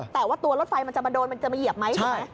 แต่ว่าตัวรถไฟมันจะมาโดนมันจะมาเหยียบไหมถูกไหม